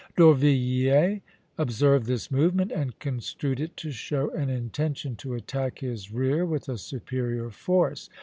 D'Orvilliers observed this movement, and construed it to show an intention to attack his rear with a superior force.